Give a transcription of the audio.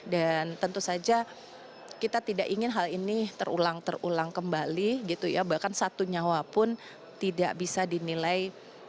dan tentu saja kita tidak ingin hal ini terulang terulang kembali gitu ya bahkan satu nyawa pun tidak bisa dinilai